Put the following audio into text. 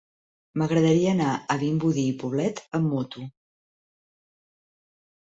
M'agradaria anar a Vimbodí i Poblet amb moto.